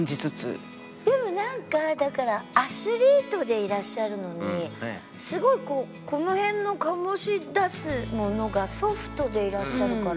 でもなんかだからアスリートでいらっしゃるのにすごいこうこの辺の醸し出すものがソフトでいらっしゃるから。